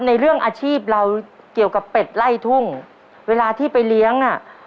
ในเรื่องอาชีพเราเกี่ยวกับเป็ดไล่ทุ่งเวลาที่ไปเลี้ยงอ่ะ